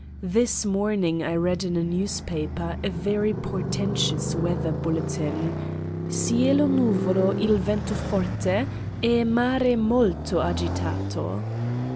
This morning I read in a newspaper a very portentous weather bulletin : cielo nuvolo il vento forte e mare molto agitato.